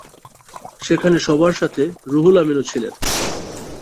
সেখানে সবার সাথে রুহুল আমিনও ছিলেন।